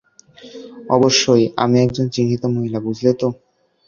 অবশ্যই, আমি একজন চিহ্নিত মহিলা, বুঝলে তো।